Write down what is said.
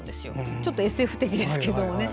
ちょっとＳＦ的ですけどね。